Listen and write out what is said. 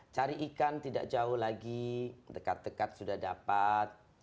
cari ikan tidak jauh lagi dekat dekat sudah dapat